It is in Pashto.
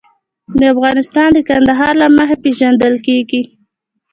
افغانستان د کندهار له مخې پېژندل کېږي.